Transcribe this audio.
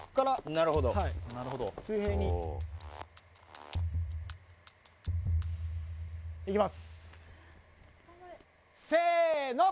なるほどいきますせーの！